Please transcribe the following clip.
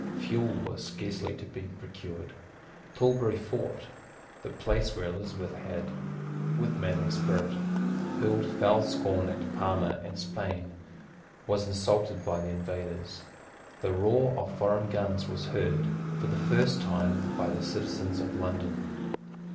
Fuel was scarcely to be procured. Tilbury Fort, the place where Elizabeth had, with manly spirit, hurled foul scorn at Parma and Spain, was insulted by the invaders. The roar of foreign guns was heard, for the first time, by the citizens of London.